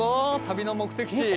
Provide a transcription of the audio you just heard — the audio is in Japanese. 旅の目的地。